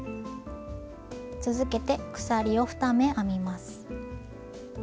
続けて鎖を２目編みます。